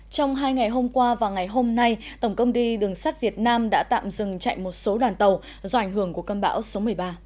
trong hai ngày hôm qua và ngày hôm nay tổng công ty đường sắt việt nam đã tạm dừng chạy một số đoàn tàu do ảnh hưởng của cơn bão số một mươi ba